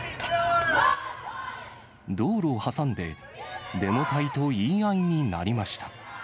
道路を挟んで、デモ隊と言い合いになりました。